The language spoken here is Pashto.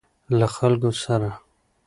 له خلکو سره.